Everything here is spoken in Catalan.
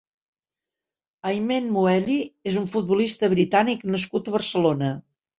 Aymen Mouelhi és un futbolista britànic nascut a Barcelona.